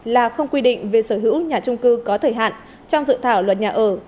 là không quy định về sở hữu nhà trung cư có thời hạn trong dự thảo luật nhà ở